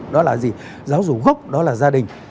đó là gì giáo dục gốc đó là gia đình